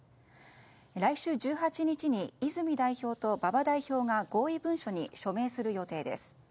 来週１８日に泉代表と馬場代表が合意文書に署名する予定です。